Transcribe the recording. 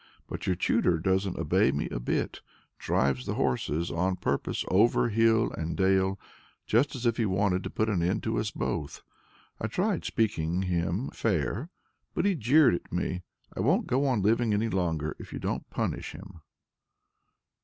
But your tutor doesn't obey me a bit, drives the horses on purpose over hill and dale, just as if he wanted to put an end to us both. I tried speaking him fair, but he jeered at me. I won't go on living any longer if you don't punish him!"